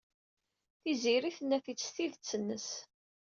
Tiziri tenna-t-id s tidet-nnes.